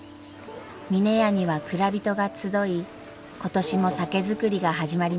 峰屋には蔵人が集い今年も酒造りが始まります。